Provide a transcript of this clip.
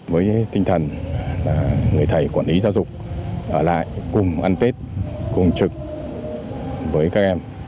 với tinh thần là người thầy quản lý giáo dục ở lại cùng ăn tết cùng trực với các em